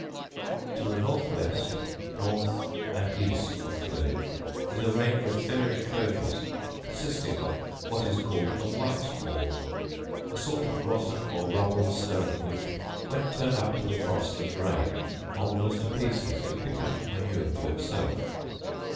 To the north west, north and east of the village, is a range of fair enclosures, consisting of what is called a white malm, a sort of rotten or rubble stone, which, when turned up to the frost and rain, moulders to pieces, and becomes manure to itself.